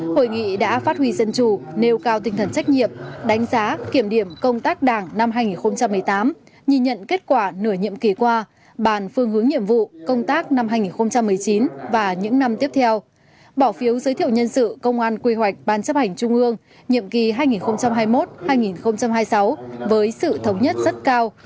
hội nghị đã phát huy dân chủ nêu cao tinh thần trách nhiệm đánh giá kiểm điểm công tác đảng năm hai nghìn một mươi tám nhìn nhận kết quả nửa nhiệm kỳ qua bàn phương hướng nhiệm vụ công tác năm hai nghìn một mươi chín và những năm tiếp theo bỏ phiếu giới thiệu nhân sự công an quy hoạch ban chấp hành trung ương nhiệm kỳ hai nghìn hai mươi một hai nghìn hai mươi sáu với sự thống nhất rất cao